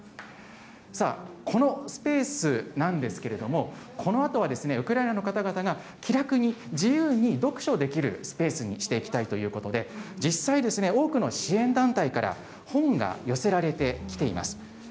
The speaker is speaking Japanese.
さあ、このスペースなんですけれども、このあとはウクライナの方々が気楽に、自由に読書できるスペースにしていきたいということで、実際、多くの支援団体から本が寄せられてきています。